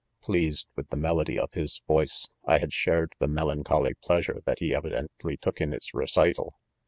Pleased with the melody of his voice, I had shared the melancholy plea sure that he evidently took in its recital.